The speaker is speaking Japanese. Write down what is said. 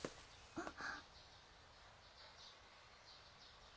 あっ。